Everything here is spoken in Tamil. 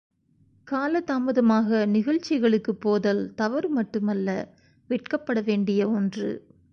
காலதாமதமாக நிகழ்ச்சிகளுக்குப் போதல் தவறுமட்டுமல்ல, வெட்கப்படவேண்டிய ஒன்று.